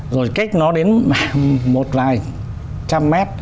rồi cách nó đến một vài trăm mét